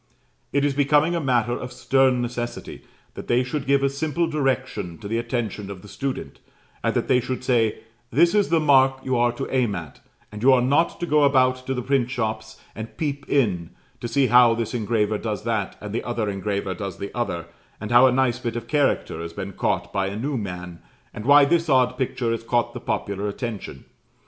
It is becoming a matter of stern necessity that they should give a simple direction to the attention of the student, and that they should say, "This is the mark you are to aim at; and you are not to go about to the print shops, and peep in, to see how this engraver does that, and the other engraver does the other, and how a nice bit of character has been caught by a new man, and why this odd picture has caught the popular attention.